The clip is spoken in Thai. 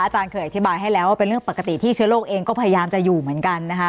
อาจารย์เคยอธิบายให้แล้วว่าเป็นเรื่องปกติที่เชื้อโรคเองก็พยายามจะอยู่เหมือนกันนะคะ